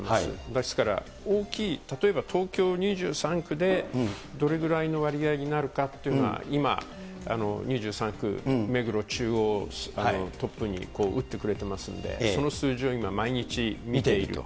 ですから、大きい、例えば東京２３区で、どれぐらいの割合になるかっていうのは、今、２３区、目黒、中央をトップに打ってくれてますんで、その数字を今、毎日見ている。